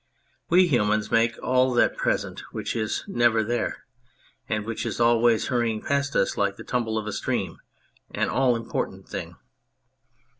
We humans make all that present which is never there, and which is always hurrying past us like the tumble of a stream, an all important thing.